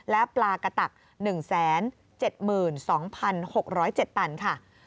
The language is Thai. และปลากระตัก๑๗๒๖๐๗ตันค่ะ